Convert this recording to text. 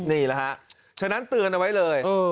นี่แหละฮะฉะนั้นเตือนเอาไว้เลย